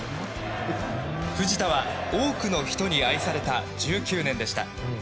藤田は多くの人に愛された１９年でした。